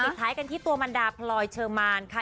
ท้ายกันที่ตัวมันดาพลอยเชอร์มานค่ะ